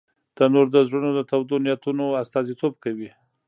تنور د زړونو د تودو نیتونو استازیتوب کوي